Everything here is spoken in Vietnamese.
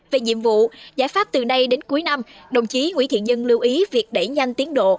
về nhiệm vụ giải pháp từ nay đến cuối năm đồng chí nguyễn thiện nhân lưu ý việc đẩy nhanh tiến độ